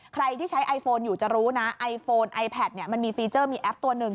ใครที่ใช้ไอโฟนอยู่จะรู้นะไอโฟนไอแพทเนี่ยมันมีฟีเจอร์มีแอปตัวหนึ่ง